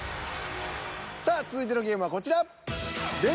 さあ続いてのゲームはこちら。